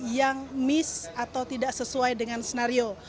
yang miss atau tidak sesuai dengan skenario